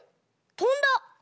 とんだ！